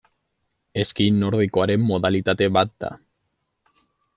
Eski nordikoaren modalitate bat da.